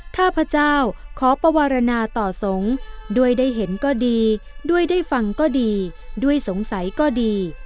ถ้าพระเจ้าขอปวรรณาต่อสงฆ์ด้วยได้เห็นก็ดีด้วยได้ฟังก็ดีด้วยสงสัยก็ดี